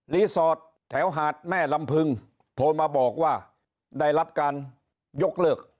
สอดแถวหาดแม่ลำพึงโทรมาบอกว่าได้รับการยกเลิก